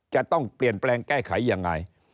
จะต้องเปลี่ยนแปลงแก้ไขยังไง